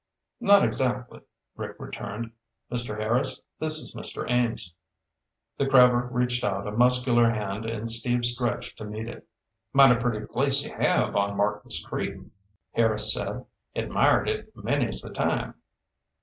"Not exactly," Rick returned. "Mr. Harris, this is Mr. Ames." The crabber reached out a muscular hand and Steve stretched to meet it. "Mighty pretty place you have on Martins Creek," Harris said. "Admired it many's the time."